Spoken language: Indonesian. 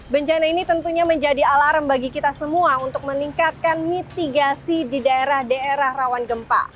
bencana ini tentunya menjadi alarm bagi kita semua untuk meningkatkan mitigasi di daerah daerah rawan gempa